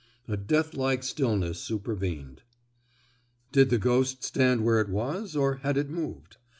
A deathlike stillness supervened. Did the ghost stand where it was, or had it moved?